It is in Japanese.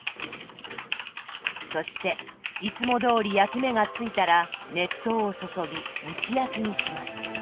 そしていつもどおり焼き目がついたら熱湯を注ぎ蒸し焼きにします。